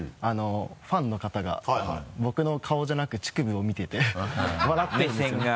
ファンの方が僕の顔じゃなく乳首を見てて笑ってるんですよね。